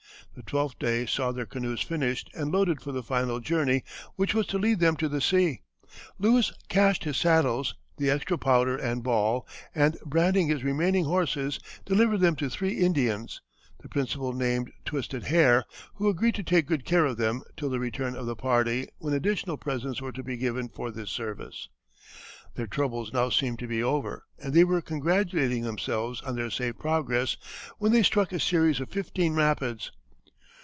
The twelfth day saw their canoes finished and loaded for the final journey, which was to lead them to the sea. Lewis cached his saddles, the extra powder and ball, and branding his remaining horses, delivered them to three Indians, the principal named Twisted hair, who agreed to take good care of them till the return of the party, when additional presents were to be given for this service. Their troubles now seemed to be over and they were congratulating themselves on their safe progress, when they struck a series of fifteen rapids.